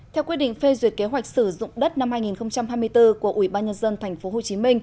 theo quy định phê duyệt kế hoạch sử dụng đất năm hai nghìn hai mươi bốn của ủy ban nhân dân tp hcm